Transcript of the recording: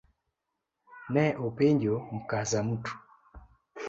Ne openjo Mkazamtu